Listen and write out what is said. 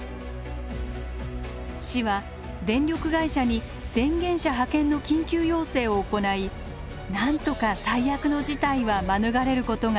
市は電力会社に電源車派遣の緊急要請を行いなんとか最悪の事態は免れることができました。